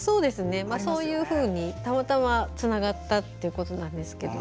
そういうふうに、たまたまつながったということですが。